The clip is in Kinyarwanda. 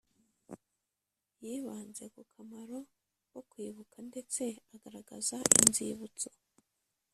yibanze ku kamaro ko kwibuka ndetse agaragaza inzibutso